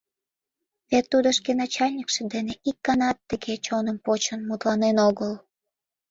Вет тудо шке начальникше дене ик ганат тыге чоным почын мутланен огыл.